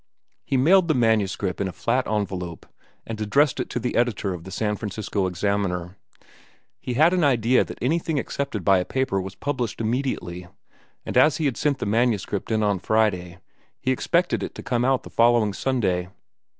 He mailed the manuscript in a flat envelope, and addressed it to the editor of the San Francisco Examiner. He had an idea that anything accepted by a paper was published immediately, and as he had sent the manuscript in on Friday he expected it to come out on the following Sunday.